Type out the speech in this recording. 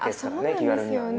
気軽にはね。